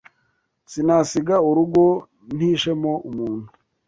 Sinasiga urugo ntishemo umuntu